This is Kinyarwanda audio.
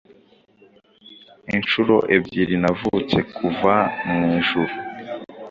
Inshuro ebyiri navutse kuva mu ijuru,